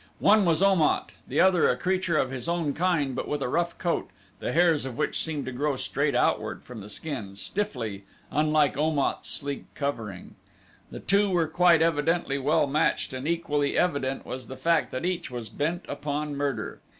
One was Om at, the other a creature of his own kind but with a rough coat, the hairs of which seemed to grow straight outward from the skin, stiffly, unlike Om at's sleek covering. The two were quite evidently well matched and equally evident was the fact that each was bent upon murder.